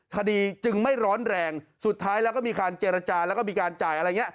คดีจึงไม่ร้อนแรงสุดท้ายแล้วก็มีการเจรจาแล้วก็มีการจ่ายอะไรอย่างนี้